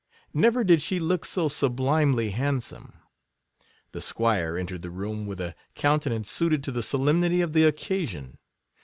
Never did she look so sublimely handsome. The 'Squire entered the room with a counte nance suited to the solemnity of the occasion.